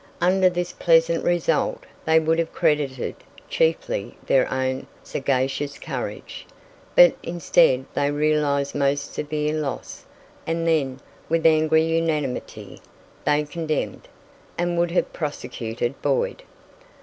Under this pleasant result they would have credited chiefly their own sagacious courage. But instead they realized most severe loss, and then, with angry unanimity, they condemned, and would have prosecuted, Boyd.